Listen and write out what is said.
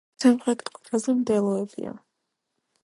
სამხრეთ კალთაზე მდელოებია.